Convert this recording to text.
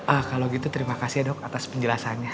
ah kalau gitu terima kasih ya dok atas penjelasannya